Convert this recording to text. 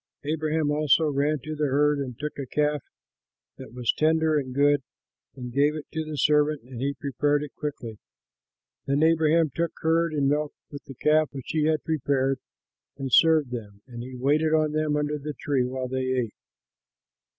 Abraham also ran to the herd, and took a calf that was tender and good, and gave it to the servant, and he prepared it quickly. Then Abraham took curd and milk, with the calf which he had prepared, and served them; and he waited on them under the tree, while they ate.